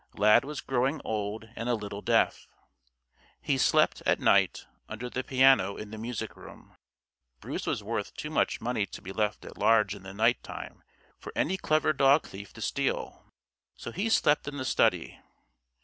Lad was growing old and a little deaf. He slept, at night, under the piano in the music room. Bruce was worth too much money to be left at large in the night time for any clever dog thief to steal. So he slept in the study.